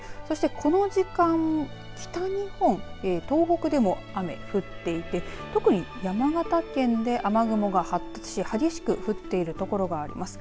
この時間北日本、東北でも雨降っていて特に山形県で雨雲が発達し激しく降ってるところがあります。